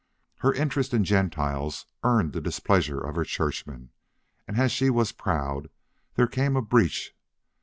Her interest in Gentiles earned the displeasure of her churchmen, and as she was proud there came a breach.